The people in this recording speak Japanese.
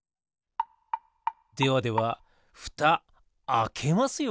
ではではふたあけますよ。